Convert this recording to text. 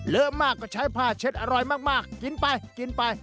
เยอะมากก็ใช้ผ้าเช็ดอร่อยมากกินไปกินไป